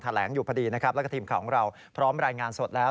แหลงอยู่พอดีนะครับแล้วก็ทีมข่าวของเราพร้อมรายงานสดแล้ว